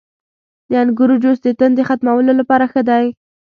• د انګورو جوس د تندې ختمولو لپاره ښه دی.